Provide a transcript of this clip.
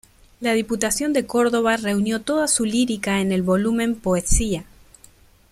La Diputación de Córdoba reunió toda su lírica en el volumen "Poesía".